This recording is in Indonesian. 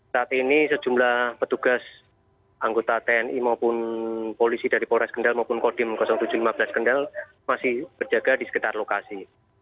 saat ini sejumlah petugas anggota tni maupun polisi dari polres kendal maupun kodim tujuh ratus lima belas kendal masih berjaga di sekitar lokasi